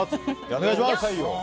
お願いします。